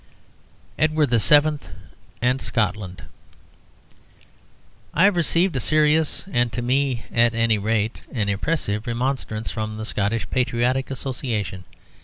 EDWARD VII. AND SCOTLAND I have received a serious, and to me, at any rate, an impressive remonstrance from the Scottish Patriotic Association.